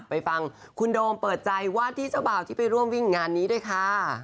ไปฟังคุณโดมเปิดใจว่าที่เจ้าบ่าวที่ไปร่วมวิ่งงานนี้ด้วยค่ะ